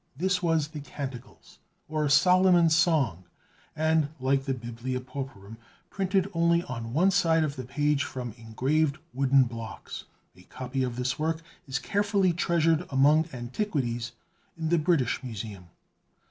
This was the Canticles, or Solomon's Song, and, like the "Biblia Pauperum," printed only on one side of the page from engraved wooden blocks. A copy of this work is carefully treasured among antiquities in the British Museum.